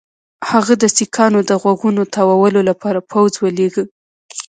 هغه د سیکهانو د غوږونو تاوولو لپاره پوځ ولېږه.